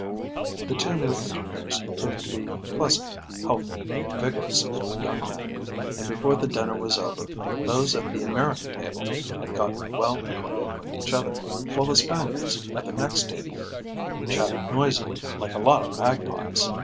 The two new engineers proved to be pleasant, healthy, vigorous, young men, and, before the dinner was over, those at the American table had got well acquainted with each other, while the Spaniards at the next table chattered noisily like a lot of magpies.